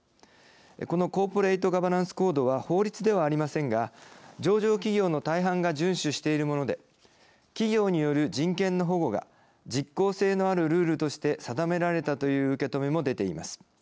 このコーポレイトガバナンス・コードは法律ではありませんが上場企業の大半が順守しているもので企業による人権の保護が実効性のあるルールとして定められたという受け止めも出ています。